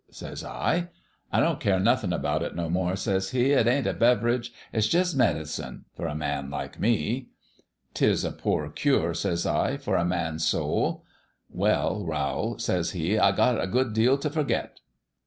says I. "' I don't care nothin' about it no more,' says he. 'It ain't a beverage ; it's jus' medicine for a man like me/ "' Tis a poor cure,' says I, ' for a man's soul.' "' Well, Rowl,' says he, 'I got a good deal t' forget.'